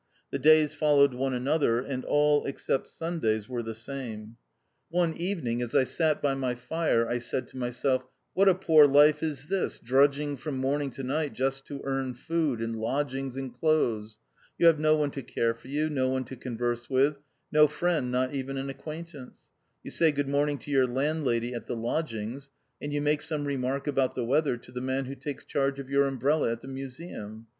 The days followed one another, and all, except Sundays, were the same. One even 158 THE OUTCAST. ing, as I sat by my fire, I said to myself, "What a poor life is this, drudging from morning to night just to earn food, and lodgings, and clothes ! You have no one to care for you, no one to converse with, no friend, not even an acquaintance. You say 'Good morning' to your landlady at the lodgings, and you make some remark about the weather to the man who takes charge of your umbrella at the Museum.